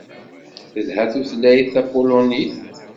Telhat tutlayt tapulunit.